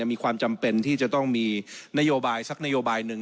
มีความจำเป็นที่จะต้องมีนโยบายสักนโยบายหนึ่ง